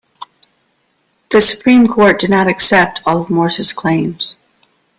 The Supreme Court did not accept all of Morse's claims.